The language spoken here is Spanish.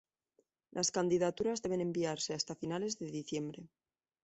Las candidaturas deben enviarse hasta finales de diciembre.